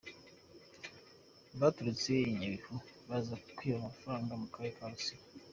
Baturutse i Nyabihu baza kwiba amafaranga mu karere ka Rutsiro.